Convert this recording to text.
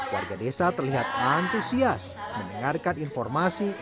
warga desa terlihat antusias mendengarkan informasi